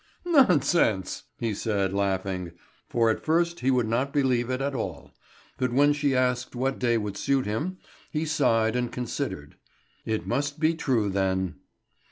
"Nonsense!" he said, laughing; for at first he would not believe it at all, but when she asked what day would suit him, he sighed and considered. It must be true then.